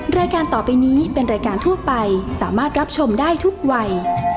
รายการต่อไปนี้เป็นรายการทั่วไปสามารถรับชมได้ทุกวัย